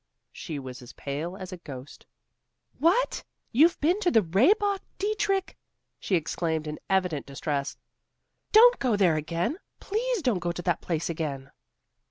She was as pale as a ghost. "What! You've been to the Rehbock, Dietrich!" she exclaimed in evident distress. "Oh, don't go there! Please don't go to that place again!"